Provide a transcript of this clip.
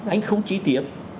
anh không chị tiếp